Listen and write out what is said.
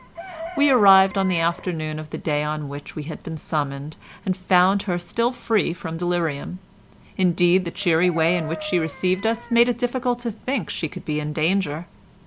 We arrived on the afternoon of the day on which we had been summoned, and found her still free from delirium: indeed, the cheery way in which she received us made it difficult to think she could be in danger.